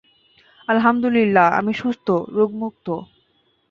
আলহামদুলিল্লাহ, আমি সুস্থ, রোগমুক্ত।